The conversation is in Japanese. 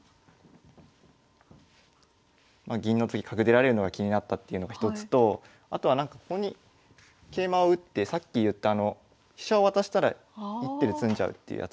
まあ銀の次角出られるのが気になったっていうのが一つとあとはここに桂馬を打ってさっき言った飛車を渡したら１手で詰んじゃうっていうやつですね。